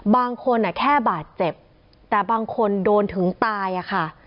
บางคนแค่บาดเจ็บแต่บางคนโดนถึงตายอะค่ะ